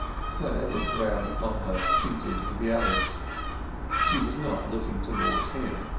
Clare looked round upon her, seated with the others. She was not looking towards him.